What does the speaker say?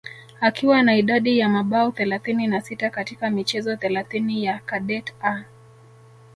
akiwa na idadi ya mabao thelathini na sita katika michezo thelathini ya kadet A